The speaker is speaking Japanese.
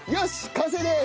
完成です！